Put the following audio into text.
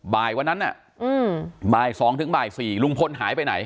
บ่ายวันนั้นน่ะอืมบ่ายสองถึงบ่ายสี่ลุงพลหายไปไหน